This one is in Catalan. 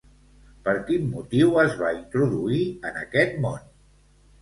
Per quin motiu es va introduir en aquest món?